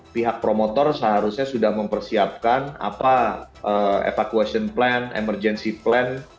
pihak promotor seharusnya sudah mempersiapkan apa evacuation plan emergency plan